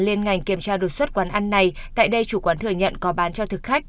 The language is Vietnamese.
liên ngành kiểm tra đột xuất quán ăn này tại đây chủ quán thừa nhận có bán cho thực khách